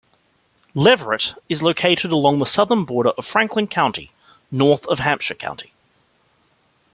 Leverett is located along the southern border of Franklin County, north of Hampshire County.